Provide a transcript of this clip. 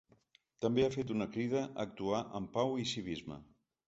També ha fet una crida a actuar amb pau i civisme.